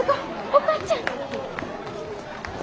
お母ちゃん！